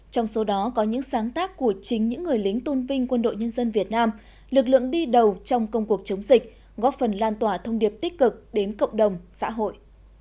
trong số đó có những sáng tác của chính những người lính tôn vinh quân đội nhân dân việt nam lực lượng đi đầu trong công cuộc chống dịch góp phần lan tỏa thông điệp tích cực đến cộng đồng xã hội